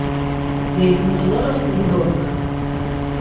They do a lot of good work.